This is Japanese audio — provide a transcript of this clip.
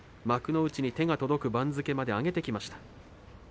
幕内に手が届く番付まで上げてきました。